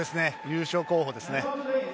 優勝候補ですね。